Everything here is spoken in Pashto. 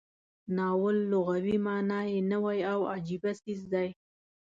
ناول لغوي معنا یې نوی او عجیبه څیز دی.